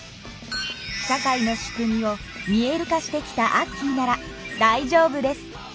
社会の仕組みを「見える化」してきたアッキーならだいじょうぶです。